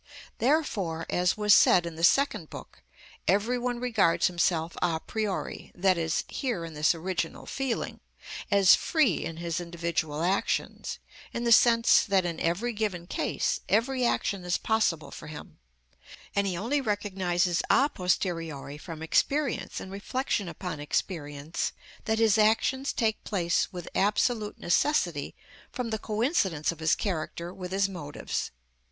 Therefore, as was said in the Second Book, every one regards himself a priori (i.e., here in this original feeling) as free in his individual actions, in the sense that in every given case every action is possible for him, and he only recognises a posteriori from experience and reflection upon experience that his actions take place with absolute necessity from the coincidence of his character with his motives.